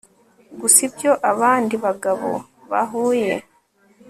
gusa ibyo abandi bagabo bahuye